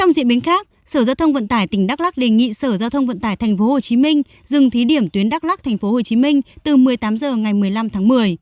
trong diễn biến khác sở giao thông vận tải tỉnh đắk lắc đề nghị sở giao thông vận tải tp hcm dừng thí điểm tuyến đắk lắc tp hcm từ một mươi tám h ngày một mươi năm tháng một mươi